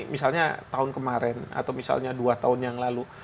misalnya tahun kemarin atau misalnya dua tahun yang lalu